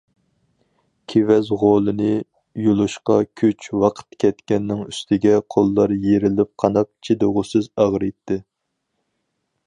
كېۋەز غولىنى يۇلۇشقا كۈچ، ۋاقىت كەتكەننىڭ ئۈستىگە، قوللار يېرىلىپ قاناپ، چىدىغۇسىز ئاغرىيتتى.